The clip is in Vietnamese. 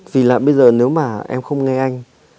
vì là bây giờ nếu mà em không nghe anh